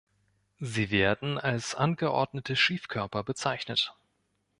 Sie werden als angeordnete Schiefkörper bezeichnet.